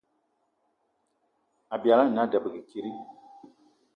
Abialga ana a debege kidi?